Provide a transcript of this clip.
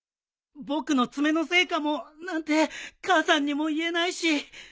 僕の爪のせいかもなんて母さんにも言えないし。